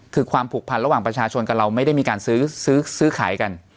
คือความผูกพันระหว่างประชาชนกับเราไม่ได้มีการซื้อขายกัน